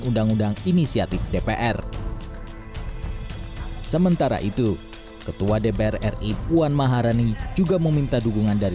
undang undang inisiatif dpr sementara itu ketua dpr ri puan maharani juga meminta dukungan dari